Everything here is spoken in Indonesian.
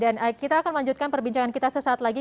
dan kita akan melanjutkan perbincangan kita sesaat lagi